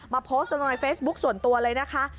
โพสต์ลงในเฟซบุ๊คส่วนตัวเลยนะคะ